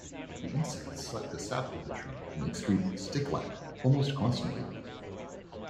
The insects suck the sap of the tree and excrete "sticklac" almost constantly.